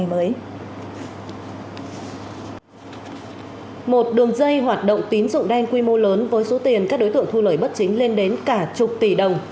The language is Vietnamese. một đường dây hoạt động tín dụng đen quy mô lớn với số tiền các đối tượng thu lợi bất chính lên đến cả chục tỷ đồng